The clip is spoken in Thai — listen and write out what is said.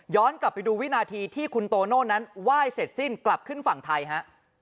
กลับไปดูวินาทีที่คุณโตโน่นั้นไหว้เสร็จสิ้นกลับขึ้นฝั่งไทยฮะ